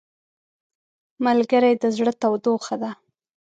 ملګری د زړه تودوخه ده